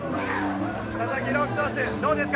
佐々木朗希投手どうですか？